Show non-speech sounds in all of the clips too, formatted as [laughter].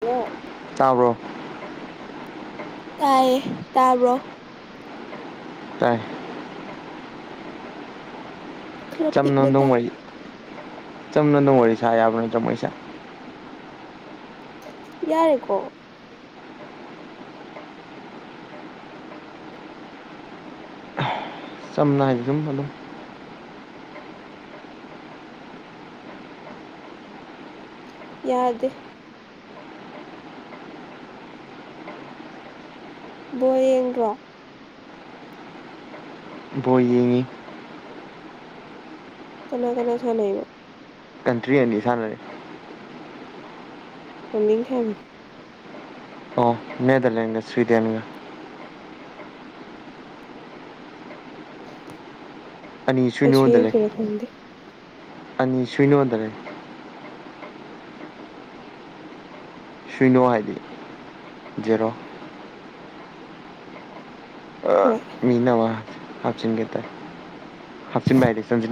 Hello ꯆꯥꯕ꯭ꯔꯣ ꯀꯥꯏꯌꯦꯦ ꯇꯥꯕ꯭ꯔꯣ ꯇꯥꯏ ꯈꯔ ꯄꯤꯛꯅ ꯇꯥꯏ ꯆꯝꯅꯗꯣꯡꯃꯩ ꯆꯝꯅ ꯑꯗꯨ ꯑꯣꯏꯁ ꯌꯥꯕꯅ ꯆꯣꯏꯁ ꯌꯥꯔꯦꯀꯣ ꯁꯝꯅ ꯍꯥꯏ ꯑꯗꯨꯝ ꯑꯗꯨꯝ ꯌꯥꯗꯦ ꯕꯣ ꯌꯦꯡꯗ꯭ꯔꯣ ꯕꯣ ꯌꯦꯡꯉꯤ ꯀꯅꯥ ꯀꯅꯥ ꯁꯅꯅ ꯀꯇ꯭ꯔꯤ ꯑꯅꯤ ꯁꯅ ꯃꯃꯤꯡ ꯍꯥꯏꯕꯅꯤ ꯑꯣ ꯅꯦꯗꯔꯂꯦꯟ ꯁ꯭ꯋꯤꯗꯦꯟꯒ [inaudible] ꯑꯅꯤꯁꯨ ꯑꯩꯁꯨ ꯌꯉꯣꯟꯗꯂꯦ ꯌꯦꯡꯁꯤꯔ ꯈꯪꯗꯦ ꯑꯅꯤ ꯁꯅꯣꯃꯗꯔꯦ ꯁꯨꯏꯅꯣ ꯍꯥꯏꯗꯤ ꯖꯦꯔꯣ ꯑ ꯍꯣꯏ ꯃꯤꯅꯃ ꯍꯥꯞꯆ ꯀꯇ ꯍꯥꯞꯆꯤꯟꯥꯏꯗꯤ ꯁꯟꯖꯤ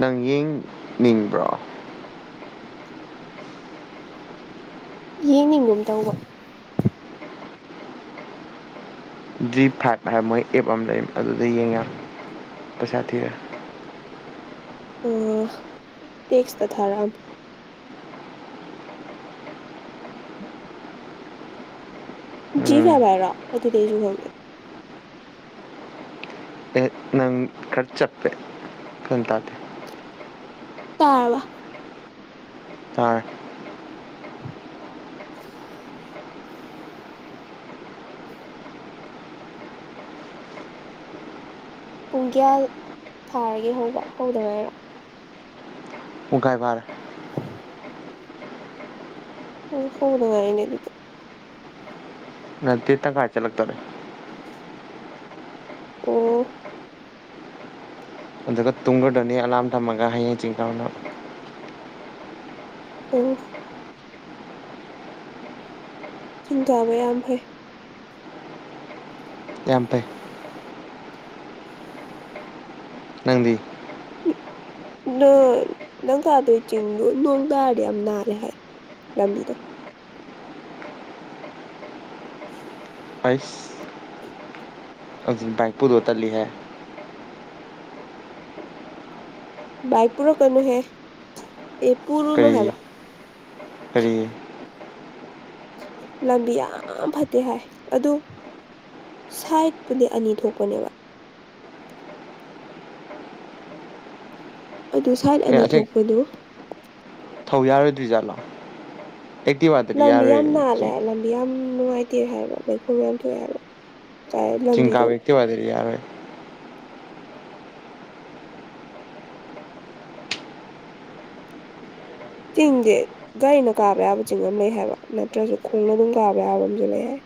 ꯅꯪ ꯌꯦꯡꯅꯤꯡꯕ꯭ꯔꯣ ꯌꯦꯡꯅꯤꯡꯒꯨꯝ ꯇꯧꯕ ꯖꯤ ꯐꯥꯏꯚ ꯍꯥꯏꯕ ꯃꯣꯏ ꯑꯦꯞ ꯑꯃ ꯂꯩ ꯑꯗꯨꯗ ꯌꯦꯡꯉꯦ ꯄꯩꯁꯥ ꯊꯤꯔꯦ ꯑ ꯇꯦꯛꯁ ꯇ ꯊꯥꯔꯝ ꯎꯝ ꯖꯤꯚꯥꯏ ꯚꯥꯏꯔꯣ ꯑꯗꯨꯗꯤ ꯑꯩꯁꯨ ꯍꯪꯉꯦ ꯈꯔꯆꯞꯦ ꯆꯟ ꯇꯗꯤ ꯇꯥꯕ ꯆꯔ ꯄꯨꯡ ꯀꯌꯥ ꯊꯥꯔꯒꯦ ꯍꯧꯕ ꯍꯧꯗꯉꯥꯏꯔꯣ ꯎꯒꯥꯏꯚꯔ ꯎ ꯍꯗꯉꯥꯏꯅꯦ ꯑꯗꯨꯗꯤ ꯅꯠꯇ ꯇ ꯈꯆ ꯂꯥꯛ ꯇꯔꯦ ꯑꯣ ꯑꯗꯨꯒ ꯇꯨꯡꯒꯗꯅꯤ ꯑꯂꯥꯔꯝ ꯊꯝꯃꯒ ꯍꯌꯦꯡ ꯆꯤꯡ ꯀꯥꯎꯅ ꯑꯣ ꯊꯤꯡ ꯀꯥꯕ ꯌꯥꯝ ꯐꯩ ꯌꯥꯝ ꯐꯩ ꯅꯪꯗꯤ ꯅ ꯅꯪ ꯀꯥꯗ ꯆꯤꯡ ꯅꯣꯡꯒꯒꯥꯗ ꯌꯥꯝ ꯅꯅꯥꯔꯦ ꯍꯥꯏ ꯂꯕꯤꯗ ꯎ ꯑꯩꯁ ꯑꯗꯨ ꯕꯥꯏꯛ ꯄꯨꯗꯣ ꯇꯜꯂꯤꯍꯦ ꯏ ꯄꯔꯣ ꯀꯩꯅꯨꯍꯦ ꯑꯦ ꯄꯔꯅ ꯍꯕ ꯍꯥꯏꯔꯤ ꯂꯝꯕꯤ ꯌꯥꯝ ꯐꯠꯇꯦ ꯍꯥꯏ ꯑꯗꯨ ꯁꯥꯏꯠꯄꯨꯗꯤ ꯑꯅꯤ ꯊꯣꯛꯄꯅꯦꯕ ꯑꯗꯨ ꯁꯥꯏꯠ ꯀꯩꯅꯣ ꯑꯅꯤ ꯑꯁꯦꯡ ꯊꯣꯛꯄꯗꯨꯣ ꯊꯧ ꯌꯥꯔꯣꯏꯗ꯭ꯔꯤ ꯖꯥꯠꯂꯣ ꯂꯝꯕꯤ ꯌꯥꯝ ꯅꯥꯜꯂꯦ ꯂꯝꯕꯤ ꯌꯥꯝ ꯅꯨꯡꯉꯥꯏꯇꯦ ꯍꯥꯏꯕ ꯂꯩꯈꯣ ꯌꯥꯝ ꯊꯣꯛꯑꯦ ꯍꯥꯏꯕ ꯀꯥꯏ ꯂꯝꯕꯤꯗꯨ ꯆꯤꯡꯀꯕꯛꯇ ꯋꯥꯔꯤꯔꯤ ꯌꯥꯔꯦ ꯆꯤꯡꯁꯦ ꯒꯥꯔꯤꯅ ꯀꯥꯕ ꯌꯥꯕ ꯆꯤꯡ ꯑꯃ ꯂꯩ ꯍꯥꯏꯕ ꯅꯠꯇ꯭ꯔꯁꯨ ꯈꯣꯡꯅ ꯑꯗꯨꯝ ꯀꯥꯕ ꯌꯥꯕ ꯑꯃꯁꯨ ꯂꯩ ꯍꯥꯏ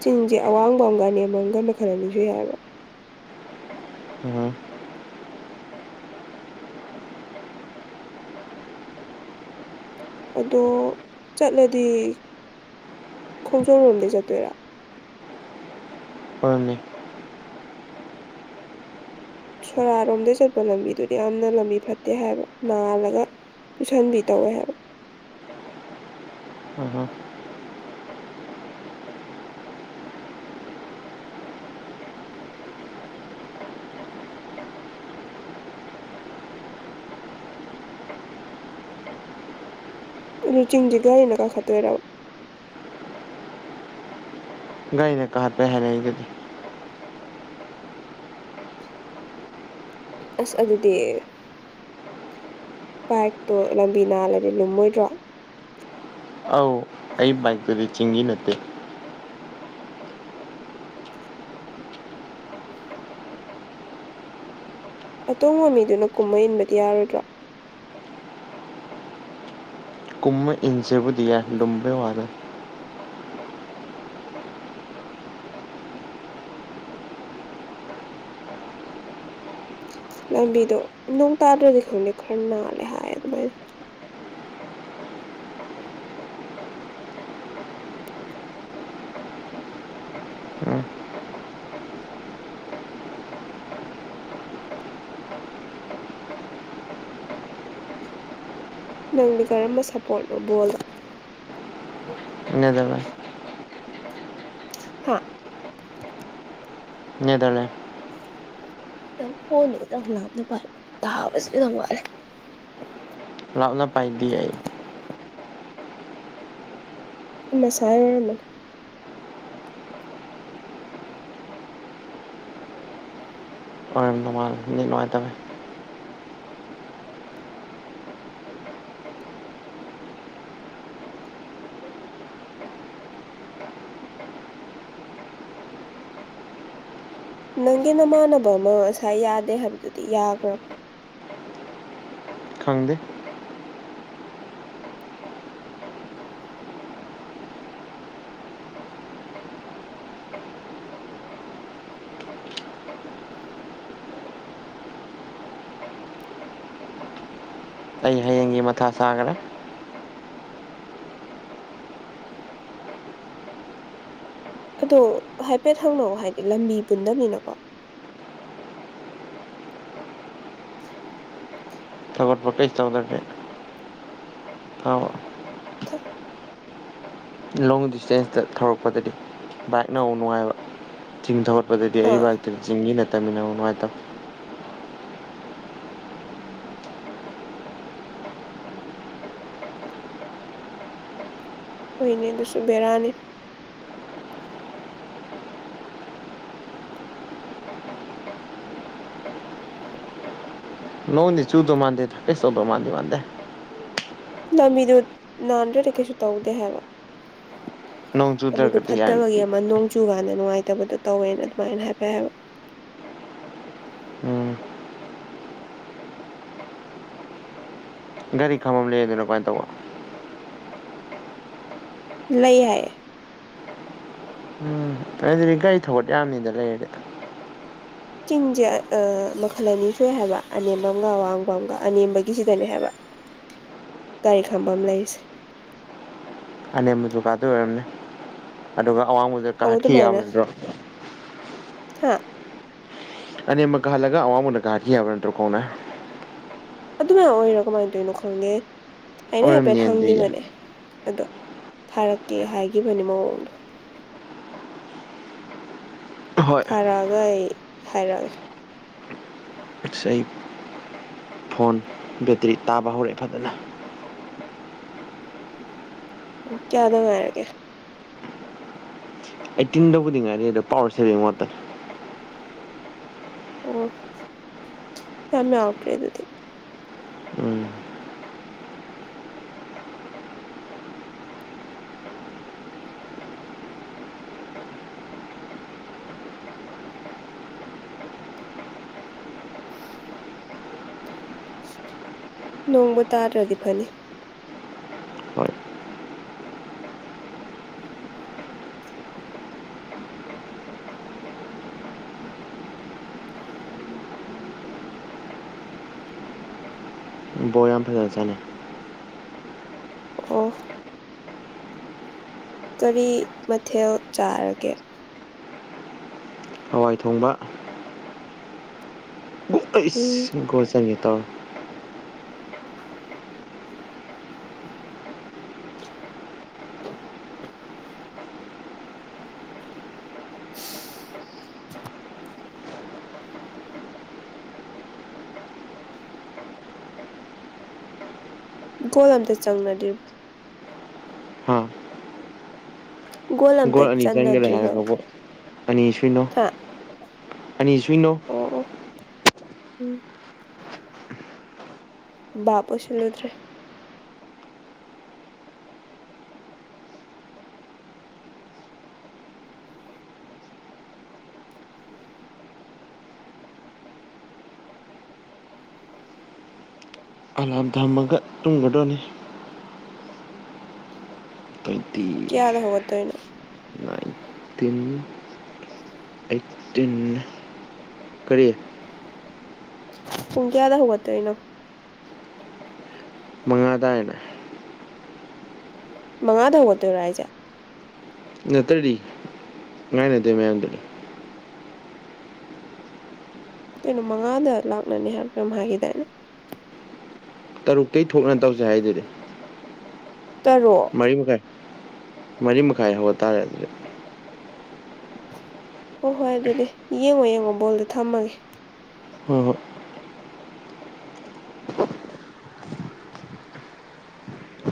ꯆꯤꯡꯁꯦ ꯑꯋꯥꯡꯕ ꯑꯃꯒ ꯑ ꯅꯦꯝꯃꯝꯒ ꯃꯈꯜ ꯑꯅꯤꯁꯨ ꯌꯥꯏꯑꯕ ꯎꯝ ꯑꯗꯣ ꯆꯠꯂꯗꯤ ꯈꯣꯡꯖꯣꯝ ꯂꯣꯝꯗꯩ ꯆꯠꯇꯣꯏꯔꯥ ꯑꯣꯏꯅꯦ ꯁꯣꯔꯥꯔꯣꯝꯗ ꯆꯠꯄ ꯂꯝꯕꯤꯗꯨꯗꯤ ꯌꯥꯝꯅ ꯂꯝꯕꯤ ꯐꯠꯇꯦ ꯍꯥꯏꯕ ꯅꯥꯜꯂꯒ ꯇꯨꯁꯟꯕꯤ ꯇꯧꯋꯦ ꯍꯥꯏꯕ ꯎꯝ ꯑꯗꯨ ꯆꯤꯡꯁꯤꯒꯥꯔꯤꯅ ꯀꯥ ꯈ ꯇ ꯑꯣꯏꯦꯔ ꯒꯥꯥꯏꯩꯅ ꯀꯥꯍꯠꯄ ꯍꯥꯏꯔꯦ ꯑꯩ ꯑꯗꯨꯗꯤ ꯑꯁ ꯑꯗꯨꯗꯤ ꯕꯥꯏꯛꯇꯣ ꯂꯝꯕꯤ ꯅꯥꯜꯂꯗꯤ ꯂꯨꯝꯃꯣꯏꯗ꯭ꯔꯣ ꯑ ꯑꯩꯏꯛ ꯇꯗꯤ ꯆꯤꯡꯒꯤꯤ ꯅꯠꯇꯦ ꯑꯇꯣꯝ ꯃꯃꯤꯗꯨꯅ ꯀꯨꯝꯕ ꯏꯟꯕꯗꯤ ꯌꯥꯔꯣꯏꯗ꯭ꯔꯥ ꯀꯨꯝꯚ ꯏꯟꯁꯕꯗꯤꯌꯥ ꯂꯨꯝꯝꯕꯦ ꯍꯧꯗ ꯂꯝꯕꯤꯗꯣ ꯅꯣꯡ ꯇꯥꯗ꯭ꯔꯗꯤ ꯈꯪꯗꯦ ꯈꯔ ꯅꯥꯜꯂꯦ ꯍꯥꯏꯌꯦ ꯑꯗꯨꯃꯥꯏꯅ ꯎꯝ ꯅꯪꯗꯤ ꯀꯔꯝꯕ ꯁꯞꯄꯣꯔꯠꯅꯣ ꯕꯣꯜꯗ ꯅꯦꯗꯔꯂꯦꯟ ꯍꯥ ꯅꯦꯗꯔꯂꯦꯟ ꯐꯣꯟꯗꯪ ꯂꯅ ꯄꯔꯃꯦꯥꯕꯁꯨ ꯊ ꯃꯥꯔꯦ ꯂꯥꯛꯅ ꯄꯥꯏꯗ ꯑꯩ ꯃꯁꯥꯏ ꯑꯣꯏꯔꯃꯅꯤ ꯑꯣꯏꯗ ꯃꯥ ꯅꯨꯡꯉꯥꯏ ꯇꯃꯦꯦ ꯅꯪꯒꯤ ꯅꯃꯥꯟꯅꯕ ꯑꯃ ꯉꯁꯥꯏ ꯌꯥꯗꯦ ꯍꯥꯏꯕꯗꯨꯗꯤ ꯌꯥꯈ꯭ꯔꯕꯣ ꯈꯪꯗꯦ ꯑꯩ ꯍꯌꯦꯡꯒꯤ ꯃꯊꯥ ꯁꯥꯈ꯭ꯔꯦ ꯑꯗꯣ ꯍꯥꯏꯐꯦꯠ ꯍꯪꯅꯛꯑꯣ ꯍꯥꯏꯗꯤ ꯂꯝꯕꯤ ꯄꯨꯟꯗꯕꯅꯤꯅꯀꯣ ꯊꯧꯒꯠꯄ ꯀꯩꯁꯨ ꯇꯧꯗꯒꯦ ꯑ ꯊ ꯂꯣꯡ ꯗꯤꯁꯇꯦꯟꯁꯇ ꯊꯧꯔꯛꯄꯗꯗꯤ ꯕꯥꯏꯛꯅ ꯅꯨꯡꯉꯥꯏꯕ ꯆꯤꯡ ꯊꯠ ꯑꯥ [unintelligible] [unintelligible] ꯍꯣꯏꯅꯦ ꯑꯗꯨꯁꯨ ꯕꯦꯔꯥꯅꯤ ꯫ ꯅꯉꯣꯟꯗꯩꯩ ꯆꯨꯗꯣ ꯃꯥꯟꯗꯦ ꯗ ꯀꯦꯏꯁꯨ ꯇꯧꯗꯧ ꯃꯥꯟꯗꯤ ꯃꯥꯗꯦ꯫ ꯂꯝꯕꯤꯗꯨ ꯅꯥꯟꯗ꯭ꯔꯗꯤ ꯀꯩꯁꯨ ꯇꯧꯗꯦ ꯍꯥꯏꯕ꯫ ꯅꯣꯡ ꯂꯝꯕꯤꯗꯣ ꯆꯨꯗ꯭ꯔꯒꯗꯤ ꯌꯥꯏ ꯐꯠꯇꯕꯒꯤ ꯑꯃ ꯅꯣꯡ ꯆꯨꯀꯥꯟꯗ ꯅꯨꯡꯉꯥꯏ ꯕꯗꯣ ꯇꯧꯋꯦꯅ ꯑꯗꯨꯃꯥꯏꯅ ꯍꯥꯏꯐꯦꯠ ꯍꯥꯏꯕ꯫ ꯎꯝ ꯒꯥꯔꯤ ꯈꯥꯝꯕꯝ ꯑꯃ ꯂꯩꯔꯗꯅꯣ ꯀꯃꯥꯏ ꯇꯧꯕ? ꯂꯩ ꯍꯥꯏꯌꯦ꯫ ꯎꯝ ꯑꯗꯨꯗꯤ ꯒꯥꯔꯤ ꯊꯧꯒꯠ ꯌꯥꯝꯅꯤꯗ ꯂꯩꯔꯗꯤ꯫ ꯆꯤꯡꯁꯦ ꯑꯩ ꯃꯈꯜ ꯑꯅꯤ ꯁꯨꯏ ꯍꯥꯏꯕ ꯑꯅꯦꯝꯕꯝꯒ ꯑꯡꯕꯝꯒ ꯑꯅꯦꯝꯕꯒꯤꯁꯤꯗꯅꯦ ꯍꯥꯏꯕ ꯒꯥꯔꯤ ꯈꯥꯐꯝ ꯂꯩꯔꯤꯁꯦ꯫ ꯑꯅꯦꯝꯕꯖꯨ ꯀꯥꯗꯣꯏ ꯑꯣꯏꯔꯝꯅꯤ ꯑꯗꯨꯒ ꯑꯋꯥꯡꯕꯗ ꯑꯧ ꯀꯥꯈꯠꯈꯤ ꯌꯥꯕ ꯅꯠꯇꯔꯣ? ꯍꯥꯥ ꯑꯅꯦꯝꯕ ꯀꯈꯠꯂꯒ ꯑꯋꯥꯕꯅ ꯀꯥꯈꯠꯈꯤ ꯌꯥꯕꯥ ꯅꯠ ꯇꯔꯣ ꯈꯣꯡꯅꯥ꯫ ꯑꯗꯨꯃꯥꯏ ꯑꯣꯏꯔꯣ ꯀꯃꯥꯏꯅ ꯇꯧꯔꯤꯅꯣ ꯈꯪꯗꯦ꯫ ꯑꯩꯅ ꯍꯥꯏꯐꯦꯠ ꯑꯣꯏꯔꯝꯅꯤ ꯑꯗꯨꯗꯤ ꯌꯥꯏ ꯍꯪꯈꯤꯕꯅꯦ ꯑꯗꯣ ꯊꯥꯔꯛꯀꯦ ꯍꯥꯏꯈꯤꯕꯅꯤ ꯃꯑꯣꯡꯗꯣ ꯫ ꯍꯣꯏ ꯊꯥꯔꯛꯑꯒ ꯑꯩ ꯍꯥꯏꯔꯛ ꯑꯒꯦ ꯫ ꯑꯁ ꯑꯩ ꯐꯣꯟ ꯕꯦꯇ꯭ꯔꯤ ꯇꯥꯕ ꯍꯧꯔꯛꯑꯦ ꯐꯖꯅ ꯫ ꯀꯌꯥꯗ ꯉꯥꯏꯔꯒꯦ? ꯑꯩꯠꯇꯤꯟꯗꯕꯨꯗꯤ ꯉꯥꯏꯔꯤ ꯑꯗꯣ ꯄꯋꯥꯔ ꯁꯦꯚꯤꯡ ꯃꯣꯠ ꯇꯥꯅꯤ꯫ ꯑꯣ ꯌꯥꯝ ꯌꯥꯎꯗꯔ꯭ꯦ ꯑꯗꯨꯗꯤ꯫ ꯎꯝ ꯅꯣꯡꯕꯨ ꯇꯥꯗꯔ꯭ꯗꯤ ꯐꯅꯤ꯫ ꯍꯣꯏ ꯕꯣꯔ ꯌꯥꯝ ꯐꯖꯅ ꯆꯥꯅꯩ꯫ ꯑꯣ꯫ ꯀꯔꯤ ꯃꯊꯦꯜ ꯆꯥꯔꯒꯦ? ꯍꯋꯥꯏ ꯊꯣꯡꯕ꯫ ꯎꯝ [unintelligible] [unintelligible] ꯀꯣꯜ ꯑꯝꯇ ꯆꯪꯅꯗꯦ ꯍꯥ ꯑꯝꯇ ꯒꯣꯜ ꯑꯅꯤ ꯆꯪꯈꯔꯦ ꯆꯟꯅꯗ꯭ꯔꯤꯕꯕ ꯍꯥꯏꯔꯒꯕꯨ꯫ ꯑꯅꯤ ꯁꯨꯏꯅꯣ ꯍꯥ ꯑꯅꯤ ꯁꯨꯏꯅꯣ ꯑꯣ ꯑꯣ ꯎꯝ ꯕꯥꯞ ꯑꯣꯏꯁꯤꯜ ꯂꯨꯗꯔ꯭ꯦ꯫ ꯑꯂꯥꯔꯝ ꯊꯝꯃꯒ ꯇꯨꯝꯒꯗꯝꯅꯤ ꯫ ꯇ꯭ꯋꯦꯟꯇꯤ ꯀꯌꯥꯗ ꯍꯧꯒꯠ ꯇꯣꯏꯅꯣ? ꯇꯤꯟ ꯑꯩꯠꯇꯤꯟ ꯀꯔꯤ ꯄꯨꯡ ꯀꯌꯥꯗ ꯍꯧꯒꯠꯇꯣꯏꯅꯣ ꯃꯉꯥꯗꯥꯥꯏꯅ ꯃꯉꯥꯗꯧꯕ ꯇ ꯔ ꯍꯥꯏꯖꯦ ꯅꯠꯇ꯭ꯔꯗꯤ ꯉꯥꯏꯅꯗꯦ ꯃꯌꯥꯝꯗꯨꯗꯤ ꯀꯩꯅꯣ ꯃꯉꯥꯗ ꯂꯥꯛꯅꯅꯤ ꯍꯥꯏꯕ꯭ꯔꯥ ꯀꯩꯅꯣꯝ ꯍꯥꯏꯈꯤꯗꯥꯏꯅꯦ ꯇꯔꯨꯇꯩꯒꯤ ꯊꯣꯛꯅ ꯇꯧꯁꯦ ꯍꯥꯏꯗꯨꯗꯤ ꯇꯔꯨꯛ ꯃꯔꯤ ꯃꯈꯥꯏ ꯃꯔꯤ ꯃꯈꯥꯏ ꯍꯧꯕꯇꯥꯥꯔꯦ ꯑꯗꯨꯗꯤ ꯍꯣꯏ ꯍꯣꯏ ꯑꯗꯨꯗꯤ ꯌꯦꯡꯉꯣ ꯌꯦꯡꯉꯣ ꯕꯣꯜꯗꯣ ꯊꯝꯃꯒꯦ ꯍꯣꯏ ꯍꯣꯏ